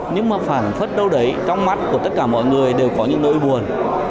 nhưng mà phản khuất đâu đấy trong mắt của tất cả mọi người đều có những nỗi buồn